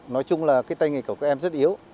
nói chung là cái tay nghề của các em rất yếu